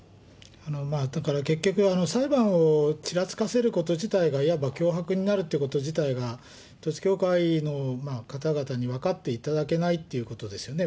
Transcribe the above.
だから、結局、裁判をちらつかせること自体が、いわば脅迫になるっていうこと自体が、統一教会の方々に分かっていただけないということですよね。